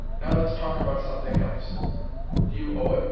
Now let's talk about something else." "Do you owe it?"